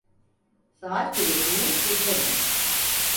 Saat Kulesi'ni kurtarın.